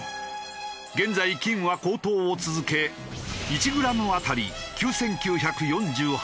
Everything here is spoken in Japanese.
現在金は高騰を続け１グラム当たり９９４８円。